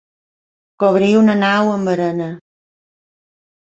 Cobrir una nau amb arena.